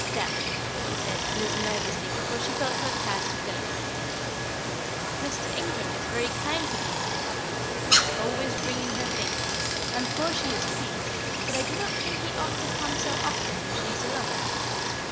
"Dad," she said, a little nervously, for she felt her task a delicate one, "Mr. Ingram is very kind to dear Mollie he is always bringing her things, and of course she is pleased; but I do not think he ought to come so often when she is alone."